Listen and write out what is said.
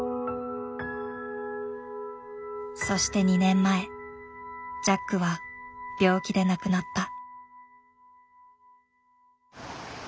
そして２年前ジャックは病気で亡くなった。